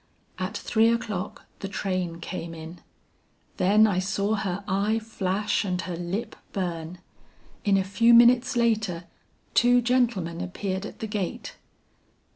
"At three o'clock the train came in. Then I saw her eye flash and her lip burn. In a few minutes later two gentlemen appeared at the gate.